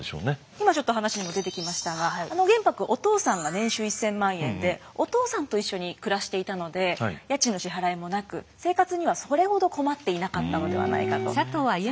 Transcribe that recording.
今ちょっと話にも出てきましたが玄白お父さんが年収１，０００万円でお父さんと一緒に暮らしていたので家賃の支払いもなく生活にはそれほど困っていなかったのではないかとされています。